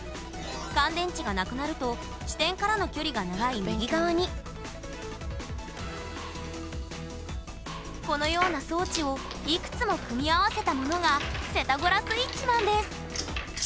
乾電池がなくなると支点からの距離が長い右側にこのような装置をいくつも組み合わせたものがセタゴラスイッチなんです！